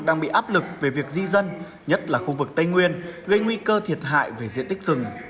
đang bị áp lực về việc di dân nhất là khu vực tây nguyên gây nguy cơ thiệt hại về diện tích rừng